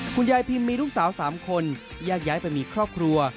คุณยายพิมมีลูกสาว๓คนแยกย้ายไปมีครอบครัว